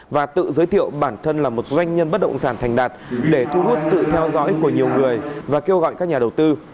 và tự giới thiệu bản thân là một doanh nhân bất động sản thành đạt để thu hút sự theo dõi của nhiều người và kêu gọi các nhà đầu tư